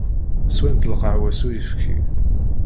Swant lqahwa s uyefki.